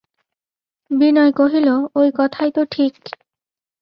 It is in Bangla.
বিনয় কহিল, ঐ কথাই তো ঠিক।